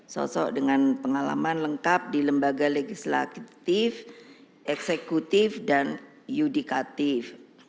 sosok dengan pengalaman lengkap di lembaga legislatif eksekutif dan yudikatif